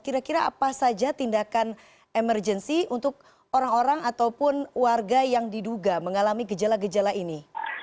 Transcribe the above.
kira kira apa saja tindakan emergency untuk orang orang ataupun warga yang diduga mengalami gejala gejala ini